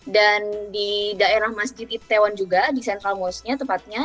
dan di daerah masjid itaewon juga di central mosque nya tempatnya